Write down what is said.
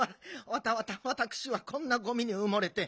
わたわたわたくしはこんなゴミにうもれて